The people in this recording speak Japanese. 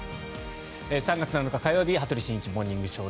３月７日、火曜日「羽鳥慎一モーニングショー」。